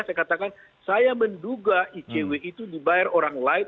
saya katakan saya menduga icw itu dibayar orang lain